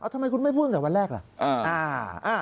ทำไมคุณไม่พูดจากวันแรกล่ะ